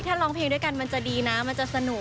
ถ้าร้องเพลงด้วยกันมันจะดีนะมันจะสนุก